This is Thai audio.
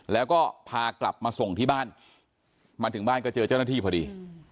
แล้วก็พากลับมาส่งที่บ้านมาถึงบ้านก็เจอเจ้าหน้าที่พอดี